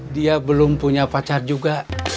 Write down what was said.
dia belum punya pacar juga